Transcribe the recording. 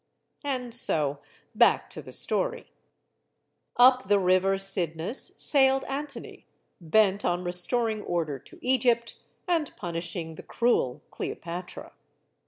And so back to the story. Up the River Cydnus sailed Antony, bent on restor ing order to Egypt and punishing the cruel Cleopatra.